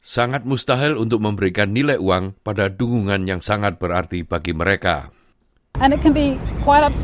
sangat mustahil untuk mencari penyandang disabilitas